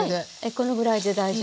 このぐらいで大丈夫よ。